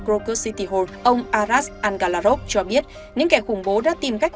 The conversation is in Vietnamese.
groker city hall ông aras angalarov cho biết những kẻ khủng bố đã tìm cách